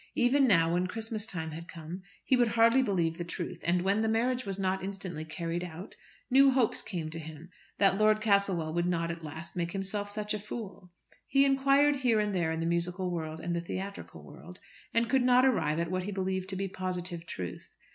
Even now, when Christmas time had come, he would hardly believe the truth, and when the marriage was not instantly carried out, new hopes came to him that Lord Castlewell would not at last make himself such a fool. He inquired here and there in the musical world and the theatrical world, and could not arrive at what he believed to be positive truth.